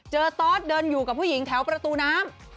ตอสเดินอยู่กับผู้หญิงแถวประตูน้ำ